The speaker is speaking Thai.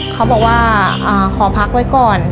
เขาบอกว่าขอพักไว้ก่อน